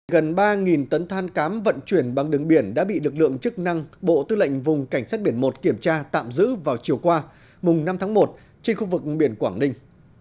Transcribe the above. gần ba tấn than cám vận chuyển bằng đường biển đã bị lực lượng chức năng bộ tư lệnh vùng cảnh sát biển một kiểm tra tạm giữ vào chiều qua năm tháng một trên khu vực biển quảng ninh